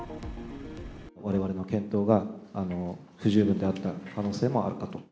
われわれの検討が不十分であった可能性もあるかと。